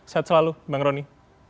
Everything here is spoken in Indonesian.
sehat selalu bang rony